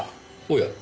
おや？